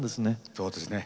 そうですね。